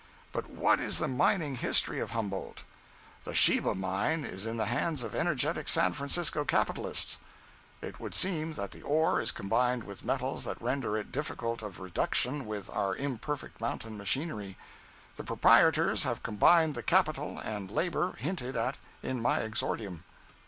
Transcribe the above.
But what is the mining history of Humboldt? The Sheba mine is in the hands of energetic San Francisco capitalists. It would seem that the ore is combined with metals that render it difficult of reduction with our imperfect mountain machinery. The proprietors have combined the capital and labor hinted at in my exordium.